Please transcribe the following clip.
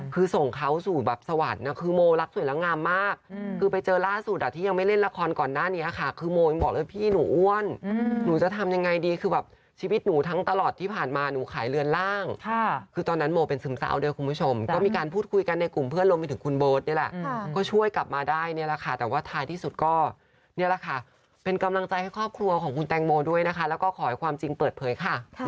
คือโมบอกเลยพี่หนูอ้วนหนูจะทำยังไงดีคือแบบชีวิตหนูทั้งตลอดที่ผ่านมาหนูขายเรือนร่างค่ะคือตอนนั้นโมเป็นสึมเศร้าด้วยคุณผู้ชมก็มีการพูดคุยกันในกลุ่มเพื่อนรวมไปถึงคุณโบ๊ทนี่แหละก็ช่วยกลับมาได้นี่แหละค่ะแต่ว่าท้ายที่สุดก็นี่แหละค่ะเป็นกำลังใจให้ครอบครัวของคุณแตงโมด้วยนะคะแล้วก